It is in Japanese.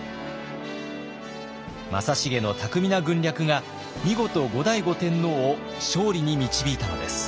正成の巧みな軍略が見事後醍醐天皇を勝利に導いたのです。